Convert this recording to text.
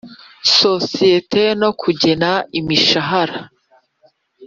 sosiyete no kugena imishahara